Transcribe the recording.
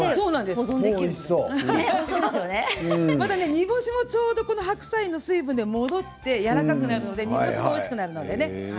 煮干しも白菜の水分で戻ってやわらかくなるので煮干しもおいしくなるのでね。